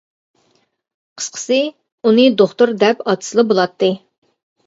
قىسقىسى، ئۇنى دوختۇر دەپ ئاتىسىلا بولاتتى.